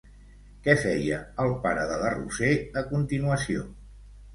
Què feia el pare de la Roser a continuació?